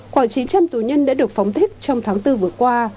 khoảng chín trăm linh tù nhân đã được phóng thích trong tháng bốn vừa qua